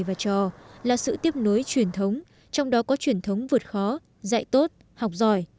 bác đỗ mười và trò là sự tiếp nối truyền thống trong đó có truyền thống vượt khó dạy tốt học giỏi